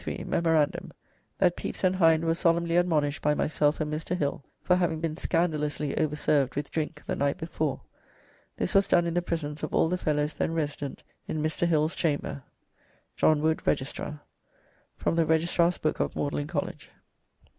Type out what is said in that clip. "Memorandum: that Peapys and Hind were solemnly admonished by myself and Mr. Hill, for having been scandalously over served with drink ye night before. This was done in the presence of all the Fellows then resident, in Mr. Hill's chamber. JOHN WOOD, Registrar." (From the Registrar's book of Magdalene College.)